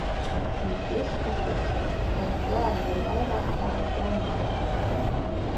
Mums viss izdosies, mūsu bērni var vairāk kā mēs domājam!